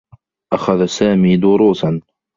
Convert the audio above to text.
أخذ سامي دروسا.